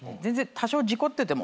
「多少事故ってても」！